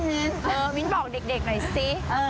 มิ้นบอกเด็กหน่อยสิ